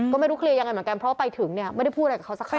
ก็ไม่รู้เคลียร์ยังไงเหมือนกันเพราะไปถึงเนี่ยไม่ได้พูดอะไรกับเขาสักครั้ง